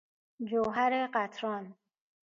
جوهر قطران